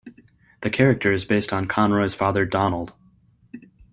The character is based on Conroy's father Donald.